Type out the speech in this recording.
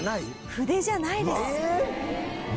筆じゃないです。